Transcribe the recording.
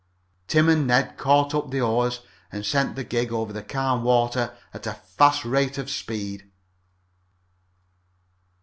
Tim and Ned caught up the oars and sent the gig over the calm water at a fast rate of speed.